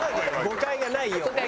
誤解がないように。